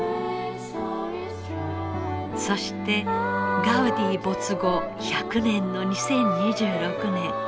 そしてガウディ没後１００年の２０２６年。